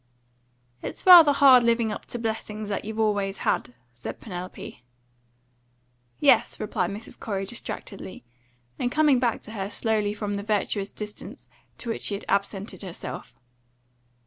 "It's rather hard living up to blessings that you've always had," said Penelope. "Yes," replied Mrs. Corey distractedly, and coming back to her slowly from the virtuous distance to which she had absented herself.